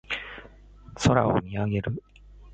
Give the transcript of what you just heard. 空を見上げる。